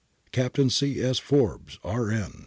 Captain C. S. Forbes, R.N.